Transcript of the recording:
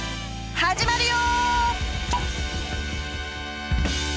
始まるよ！